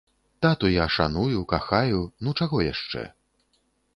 Тату я шаную, кахаю, ну чаго яшчэ?